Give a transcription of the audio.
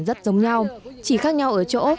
rất giống nhau chỉ khác nhau ở chỗ